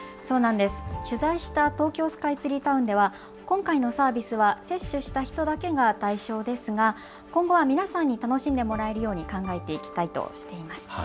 取材した東京スカイツリータウンでは今回のサービスは接種した人だけが対象ですが、今後は皆さんに楽しんでもらえるように考えていきたいとしています。